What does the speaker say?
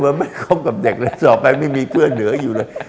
ไม่คบกับเด็กเลยต่อไปไม่มีเพื่อนเหลืออยู่เลย